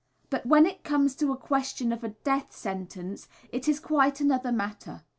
But when it comes to a question of a death sentence it is quite another matter.